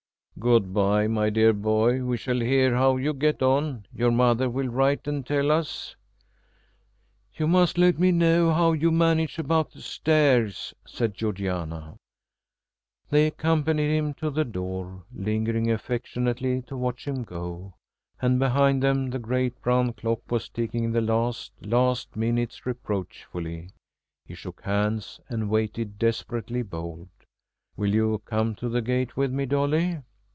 "Good bye, my dear boy. We shall hear how you get on. Your mother will write and tell us " "You must let me know how you manage about the stairs," said Georgiana. They accompanied him to the door, lingering affectionately to watch him go, and behind them the great brown clock was ticking the last, last minutes reproachfully. He shook hands and waited, desperately bold. "Will you come to the gate with me, Dolly?"